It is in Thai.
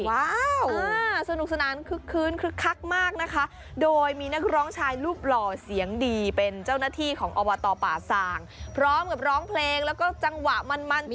ว้าวสนุกสนานคึกคืนคึกคักมากนะคะโดยมีนักร้องชายรูปหล่อเสียงดีเป็นเจ้าหน้าที่ของอบตป่าสางพร้อมกับร้องเพลงแล้วก็จังหวะมันมัน